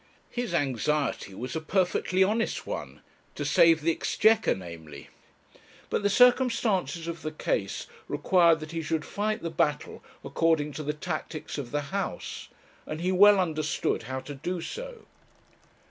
His anxiety was a perfectly honest one to save the Exchequer namely. But the circumstances of the case required that he should fight the battle according to the tactics of the House, and he well understood how to do so.